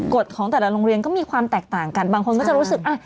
ของแต่ละโรงเรียนก็มีความแตกต่างกันบางคนก็จะรู้สึกอ่ะ